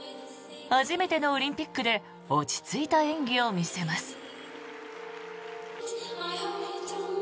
初めてのオリンピックで落ち着いた演技を見せます。